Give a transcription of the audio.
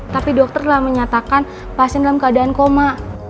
tapi dokter telah menyatakan pasien dalam keadaan koma